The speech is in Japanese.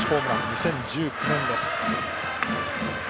２０１９年でした。